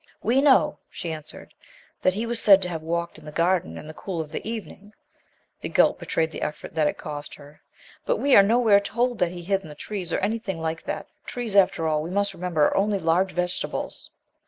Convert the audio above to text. "We know," she answered, "that He was said to have walked in the garden in the cool of the evening" the gulp betrayed the effort that it cost her "but we are nowhere told that He hid in the trees, or anything like that. Trees, after all, we must remember, are only large vegetables."